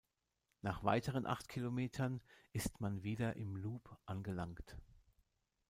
Nach weiteren acht Kilometern ist man wieder im Loop angelangt.